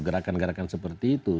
gerakan gerakan seperti itu